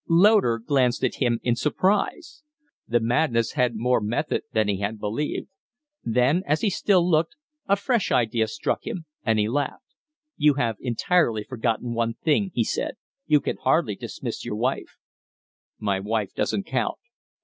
Loder glanced at him in surprise. The madness had more method than he had believed. Then, as he still looked, a fresh idea struck him, and he laughed. "You have entirely forgotten one thing," he said. "You can hardly dismiss your wife." "My wife doesn't count."